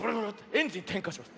エンジンてんかします。